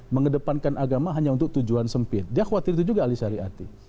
mengedepankan agama hanya untuk tujuan sempit dia khawatir itu juga alisari ati